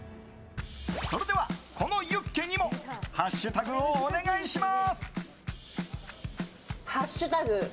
それでは、このユッケにもハッシュタグをお願いします。